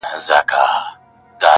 د گل خندا.